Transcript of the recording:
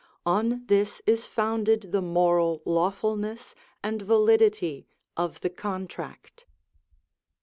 On this is founded the moral lawfulness and validity of the contract.